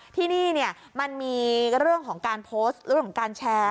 ที่นี่มันมีเรื่องของการโพสต์เรื่องของการแชร์